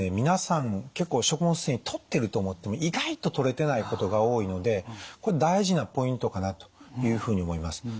皆さん結構食物繊維とってると思っても意外ととれてないことが多いのでこれ大事なポイントかなというふうに思います。